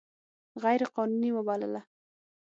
غیر قانوني وبلله.